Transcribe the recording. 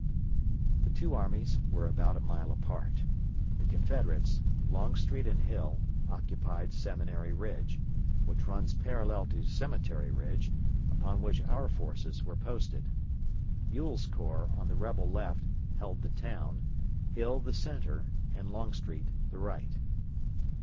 The two armies were about a mile apart. The Confederates Longstreet and Hill occupied Seminary Ridge, which runs parallel to Cemetery Ridge, upon which our forces were posted. Ewell's corps, on the rebel left, held the town, Hill the centre, and Longstreet the right.